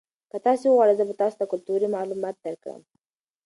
که تاسي وغواړئ زه به تاسو ته کلتوري معلومات درکړم.